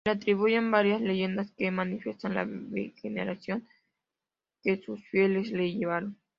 Se le atribuyen varias leyendas que manifiestan la veneración que sus fieles le llevaron.